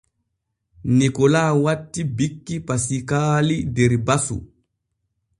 Nikola wattii bikki Pasiikaali der basu.